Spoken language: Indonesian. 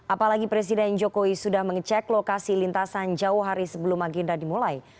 apalagi presiden jokowi sudah mengecek lokasi lintasan jauh hari sebelum agenda dimulai